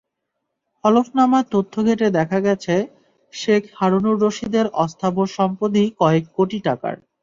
হলফনামার তথ্য ঘেঁটে দেখা গেছে, শেখ হারুনুর রশীদের অস্থাবর সম্পদই কয়েক কোটি টাকার।